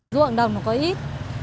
ruộng đồng có ít